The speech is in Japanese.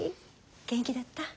元気だった？